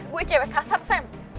gue cewek kasar sam